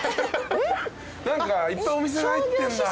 何かいっぱいお店が入ってんだ。